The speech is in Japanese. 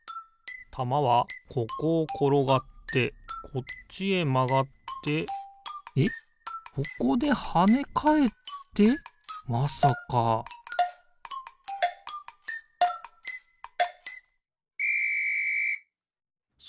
たまはここをころがってこっちへまがってえっここではねかえってまさかピッ！